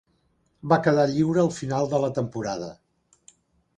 Va quedar lliure al final de la temporada.